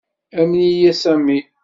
Amen-iyi a Sami.